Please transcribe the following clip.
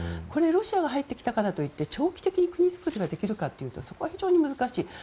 これ、ロシアが入ってきたからといって長期的な国づくりができるかというとそこは非常に難しい。